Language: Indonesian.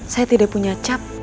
saya tidak punya cap